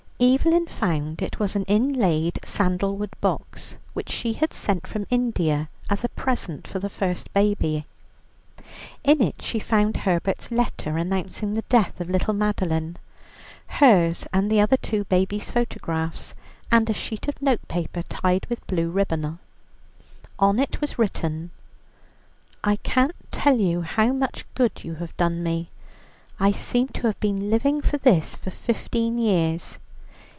Evelyn found it was an inlaid sandalwood box, which she had sent from India as a present from the first baby. In it she found Herbert's letter announcing the death of little Madeline, hers and the other two babies' photographs, and a sheet of notepaper, tied with blue ribbon. On it was written, "I can't tell you how much good you have done me, I seem to have been living for this for fifteen years.